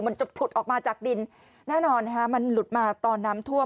จะผุดออกมาจากดินแน่นอนนะคะมันหลุดมาตอนน้ำท่วม